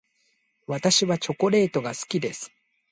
私はチョコレートが好きです。